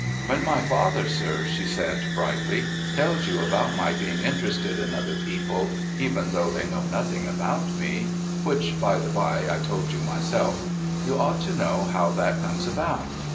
' ^^'hen my father, sir,' she said brightly, * tells you about my being interested in other people, even though they know nothing about me — which, by the bye, I told you myself — you ought to know how that comes about.